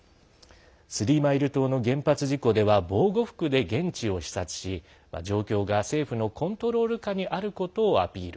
スリーマイル島の原発事故では防護服で現地を視察し状況が政府のコントロール化にあることをアピール。